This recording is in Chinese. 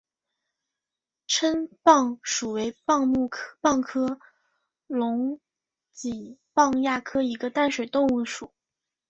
蛏蚌属为蚌目蚌科隆嵴蚌亚科一个淡水动物的属。